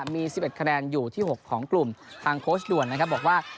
มี๑๑คะแนนอยู่ที่๖ของกลุ่มทางโค้ชด่วนนะครับบอกว่า